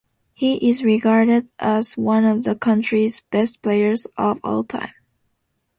He is regarded as one of the country's best players of all time.